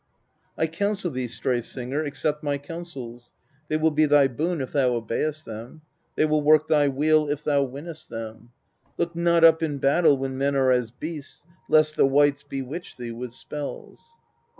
128. I counsel thee, Stray Singer, accept my counsels, they will be thy boon if thou obey'st them : they will work thy weal if thou win'st them : look not up in battle when men are as beasts, lest the wights bewitch thee with spells.